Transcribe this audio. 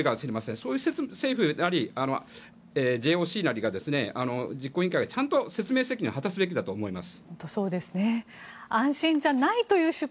そういう政府なりＪＯＣなり実行委員会がちゃんと説明責任を果たすべきだと思います。